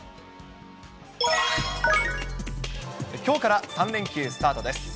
きょうから３連休スタートです。